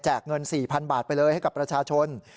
เงิน๔๐๐๐บาทไปเลยให้กับประชาชน